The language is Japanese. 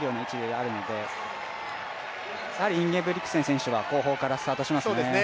やはりインゲブリクセン選手は後方からスタートしますね。